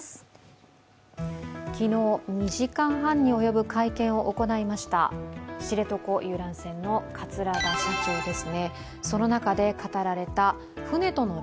昨日、２時間半に及ぶ会見を行いました知床遊覧船の桂田社長です。